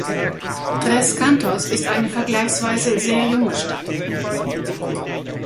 Tres Cantos ist eine vergleichsweise sehr junge Stadt.